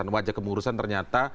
wajah kepengurusan ternyata